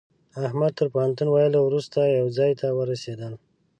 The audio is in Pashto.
احمد تر پوهنتون ويلو روسته يوه ځای ته ورسېدل.